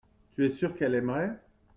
Tu es sûr qu’elle aimerait.